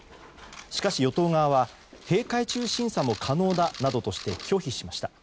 しかし、与党側は閉会中審査も可能だなどとして拒否しました。